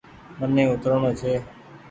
مني اوترڻو ڇي۔